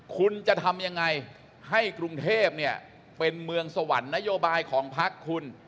คุณจะทำยังไงให้กรุงเทพเนี่ยเป็นเมืองสวรรค์นโยบายของพักคุณ